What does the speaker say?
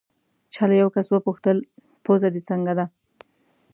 چا له یو کس وپوښتل: پوزه دې څنګه ده؟